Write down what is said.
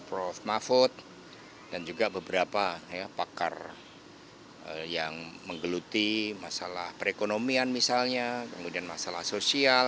prof mahfud dan juga beberapa pakar yang menggeluti masalah perekonomian misalnya kemudian masalah sosial